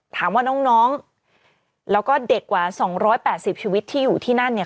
ถามว่าน้องแล้วก็เด็กกว่า๒๘๐ชีวิตที่อยู่ที่นั่นเนี่ย